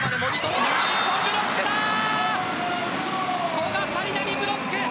古賀紗理那にブロック。